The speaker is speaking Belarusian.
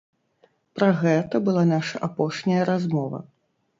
Пра гэта была наша апошняя размова.